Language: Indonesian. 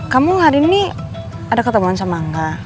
kamu hari ini ada ketemuan sama angga